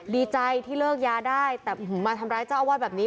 ดีใจที่เลิกยาได้แต่มาทำร้ายเจ้าอาวาสแบบนี้